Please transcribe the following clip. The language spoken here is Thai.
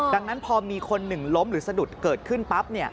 ดังนั้นพอมีคนหนึ่งล้มหรือสะดุดเกิดขึ้นปั๊บ